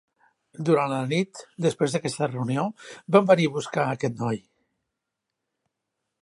Durant la nit després d'aquesta reunió, van venir a buscar a aquest noi.